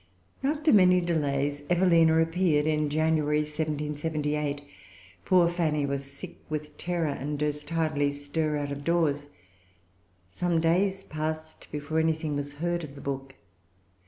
After many delays Evelina appeared in January, 1778. Poor Fanny was sick with terror, and durst hardly stir out of doors. Some days passed before anything was heard of the book.